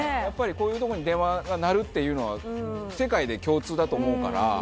やっぱりこういうとこに電話が鳴るっていうのは世界で共通だと思うから。